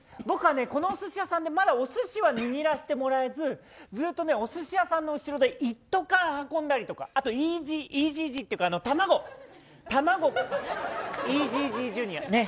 僕はね、この寿司屋さんでまだお寿司は握らせてもらえずずっとお寿司屋さんの後ろで一斗缶運んだりとかあとＥＧＧっていうか卵ＥＧＧジュニア。